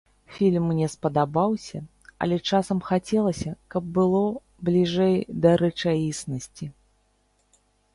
Фільм мне спадабаўся, але часам хацелася, каб было бліжэй да рэчаіснасці.